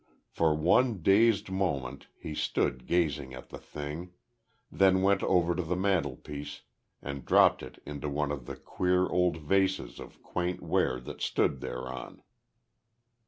For one dazed moment he stood gazing at the thing, then went over to the mantelpiece and dropped it into one of the queer old vases of quaint ware that stood thereon.